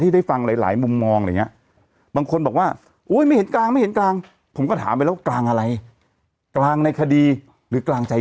ไม่งั้นมันก็จะคงแต่แบบนวดกันไม่ได้